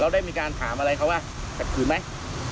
ได้มีการถามอะไรเขาว่าขัดขืนไหม